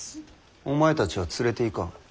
お前たちは連れていかん。